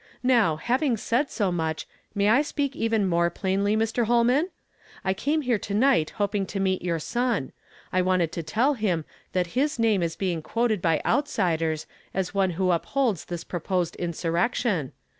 Now, having said so much, may I speak even more plainly, Mr. Holman ? I came here to night hoping to meet your son. I wanted to tell him that his name is being quoted by outsiders as one who upholds this proposed insurrection.